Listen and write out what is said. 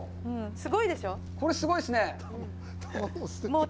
すごいでしょう？